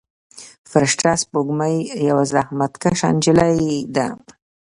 فرشته سپوږمۍ یوه زحمت کشه نجلۍ ده.